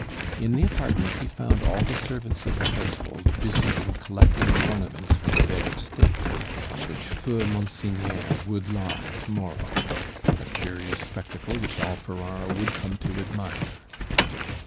In the apartment he found all the servants of the household busied in collecting the ornaments for the bed of state on which "feu monseigneur" would lie to morrow a curious spectacle which all Ferrara would come to admire.